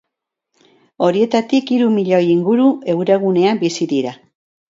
Horietatik, hiru milioi inguru eurogunean bizi dira.